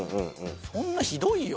そんなひどいよ。